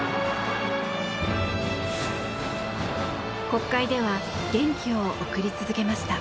国会では元気を送り続けました。